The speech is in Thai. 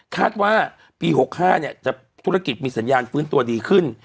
คาดว่าปี๖๕จะธุรกิจมีสัญญาณฟื้นตัวดีขึ้น